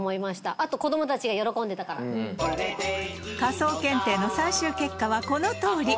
あと仮装検定の最終結果はこのとおり